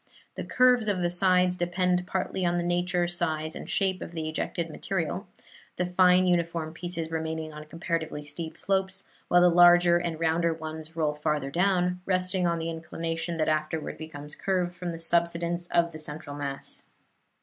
The curves of the sides depend partly on the nature, size and shape of the ejected material, the fine uniform pieces remaining on comparatively steep slopes, while the larger and rounder ones roll farther down, resting on the inclination that afterward becomes curved from the subsidence of the central mass.